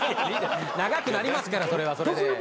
長くなりますからそれはそれで。